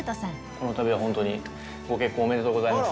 この度は本当にご結婚おめでとうございます